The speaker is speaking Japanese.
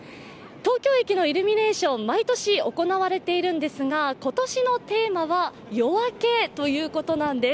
東京駅のイルミネーション、毎年行われているんですが今年のテーマは「夜明け」ということなんです。